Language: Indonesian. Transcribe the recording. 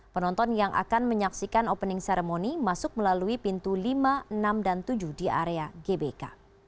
penonton yang akan menyaksikan opening ceremony masuk melalui pintu lima enam dan tujuh di area gbk